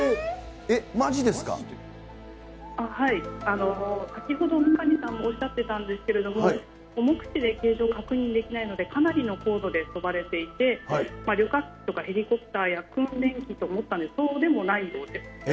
はい、先ほど三上さんもおっしゃってたんですけれども、目視で形状確認できないので、かなりの高度で飛ばれていて、旅客機、ヘリコプターやとも思ったんですけど、そうでもないです。